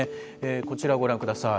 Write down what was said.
こちらをご覧下さい。